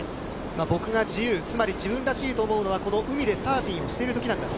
僕が自由、つまり自分らしいと思うのは、この海でサーフィンをしているときなんだと。